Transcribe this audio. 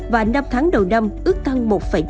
và năm tháng đầu năm ước tăng một năm